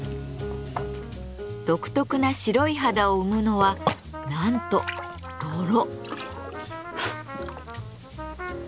独特な白い肌を生むのはなんと泥！